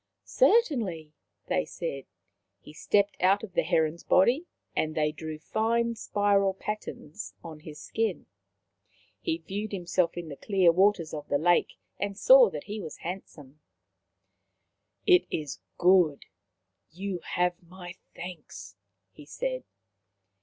" Certainly," they said. He stepped out of the heron's body and they drew fine spiral patterns on his skin. He viewed himself in the clear waters of the lake and saw that he was handsome. "It is good. You have my thanks," he said.